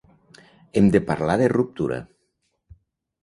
Hem de parlar de ruptura.